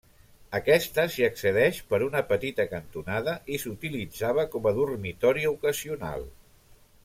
Aquesta s'hi accedeix per una petita cantonada i s'utilitzava com a dormitori ocasional.